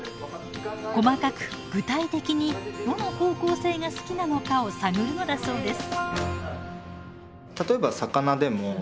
細かく具体的にどの方向性が好きなのかを探るのだそうです。